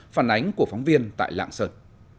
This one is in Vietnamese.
phản ánh của phóng viên tại lạng sơn